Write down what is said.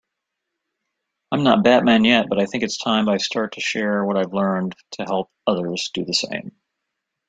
I'm not Batman yet, but I think it's time I start to share what I've learned to help others do the same.